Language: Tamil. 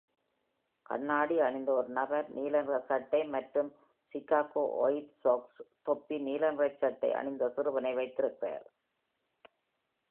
கண்ணாடி அணிந்த ஒரு நபர் நீல நிற சட்டை மற்றும் சிகாகோ ஒயிட் சாக்ஸ் தொப்பி நீல நிற சட்டை அணிந்த சிறுவனை வைத்திருக்கிறார்.